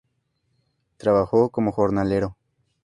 Trabajó como jornalero.